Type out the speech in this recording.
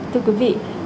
thưa quý vị